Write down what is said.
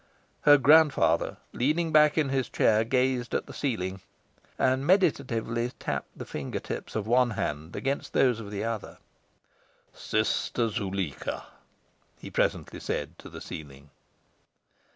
Her grandfather, leaning back in his chair, gazed at the ceiling, and meditatively tapped the finger tips of one hand against those of the other. "Sister Zuleika," he presently said to the ceiling.